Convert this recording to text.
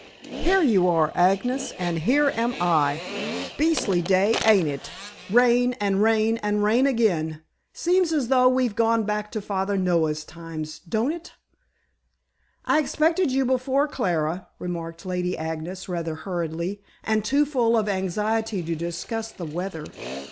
"Here you are, Agnes, and here am I. Beastly day, ain't it? Rain and rain and rain again. Seems as though we'd gone back to Father Noah's times, don't it?" "I expected you before, Clara," remarked Lady Agnes rather hurriedly, and too full of anxiety to discuss the weather.